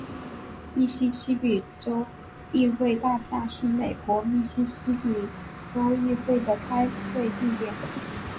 密西西比州议会大厦是美国密西西比州议会的开会地点。